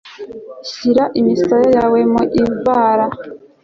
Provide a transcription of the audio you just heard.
shyira imisaya yawe mu ivara